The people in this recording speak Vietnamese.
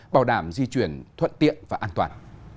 bảo đảm di chuyển thuận tiện và an toàn